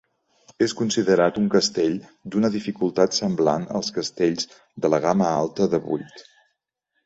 És considerat un castell d'una dificultat semblant als castells de la gamma alta de vuit.